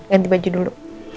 ganti baju dulu